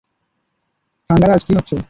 ঠ্যাঙ্গারাজ, কী ভাবছ?